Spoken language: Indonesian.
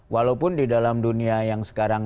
walaupun di dalam dunia yang sekarang